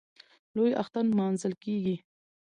لوی اختر نماځل کېږي.